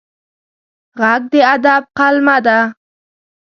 غږ د ادب قلمه ده